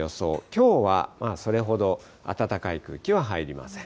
きょうはそれほど暖かい空気は入りません。